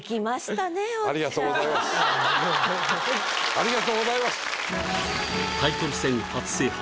ありがとうございます。